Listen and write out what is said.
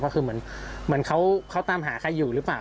ก็คือเหมือนเขาตามหาใครอยู่หรือเปล่า